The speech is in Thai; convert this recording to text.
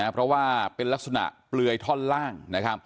เพราะว่าเป็นลักษณะเปลือยท่อนล่าง